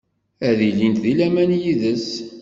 Ad ilint di laman yid-s.